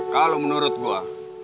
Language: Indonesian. kalau menurut gua